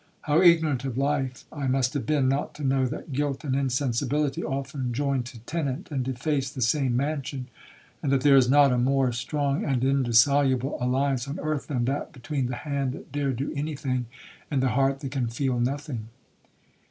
How ignorant of life I must have been, not to know that guilt and insensibility often join to tenant and deface the same mansion, and that there is not a more strong and indissoluble alliance on earth, than that between the hand that dare do any thing, and the heart that can feel nothing.